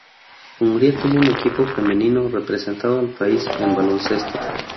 Hungría tuvo un equipo femenino representando al país en baloncesto.